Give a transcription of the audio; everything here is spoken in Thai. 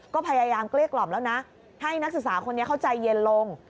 ก็พยายามเกลี้ยกล่อมแล้วนะให้นักศึกษาคนนี้เข้าใจเย็นลง